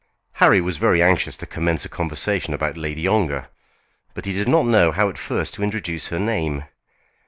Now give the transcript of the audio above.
Harry was very anxious to commence a conversation about Lady Ongar, but he did not know how at first to introduce her name.